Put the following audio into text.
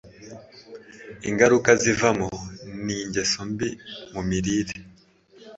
Ingaruka zivamo ni ingeso mbi mu mirire,